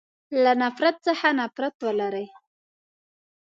له نفرت څخه نفرت ولری.